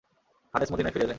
হারেস মদীনায় ফিরে এলেন।